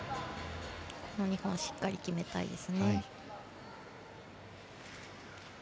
この２本しっかり決めたいです。